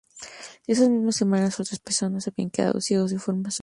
En esas mismas semanas, otras dos personas habían quedado ciegas de forma súbita.